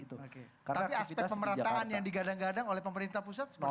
tapi aspek pemerintahan yang digadang gadang oleh pemerintah pusat seperti apa